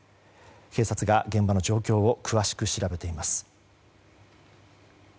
警察が現場の状況を詳しく調べています。